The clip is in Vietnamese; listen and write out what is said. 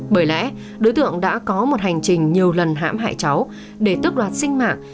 bởi lẽ đối tượng đã có một hành trình nhiều lần hãm hại cháu để tức đoạt sinh mạng